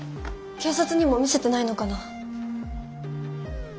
警察にも見せてないのかな？